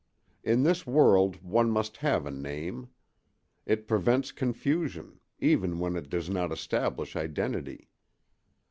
In this world one must have a name; it prevents confusion, even when it does not establish identity.